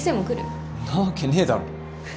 んなわけねえだろ。